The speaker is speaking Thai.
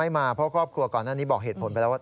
มาเพราะครอบครัวก่อนหน้านี้บอกเหตุผลไปแล้วว่า